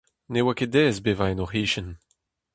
Ne oa ket aes bevañ en o c'hichen.